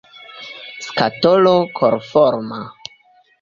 Skatolo korforma.